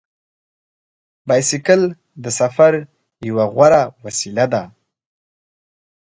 بایسکل د سفر یوه غوره وسیله ده.